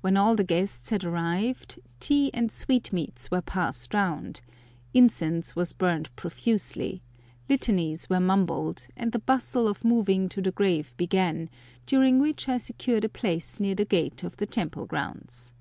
When all the guests had arrived, tea and sweetmeats were passed round; incense was burned profusely; litanies were mumbled, and the bustle of moving to the grave began, during which I secured a place near the gate of the temple grounds.